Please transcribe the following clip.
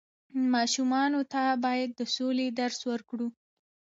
ماشومانو ته بايد د سولې درس ورکړو.